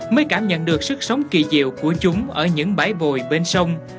mới cảm nhận được sức sống kỳ diệu của chúng ở những bãi bồi bên sông